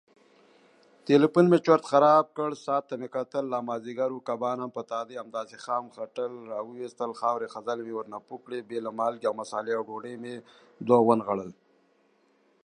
The directors' counter-suit soon followed, but the legal battle stretched on for years.